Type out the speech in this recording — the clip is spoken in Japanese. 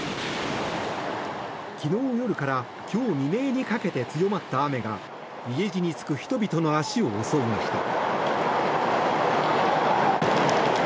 昨日夜から今日未明にかけて強まった雨が家路に就く人々の足を襲いました。